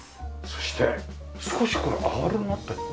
そして少しこれアールになってるの？